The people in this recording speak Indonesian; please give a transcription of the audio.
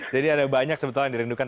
jadi ada banyak sebetulnya yang dirindukan